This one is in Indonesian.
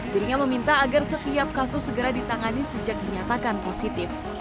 dirinya meminta agar setiap kasus segera ditangani sejak dinyatakan positif